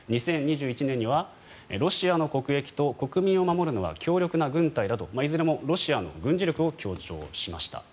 ２０２１年にはロシアの国益と国民を守るのは強力な軍隊だといずれもロシアの軍事力を強調しました。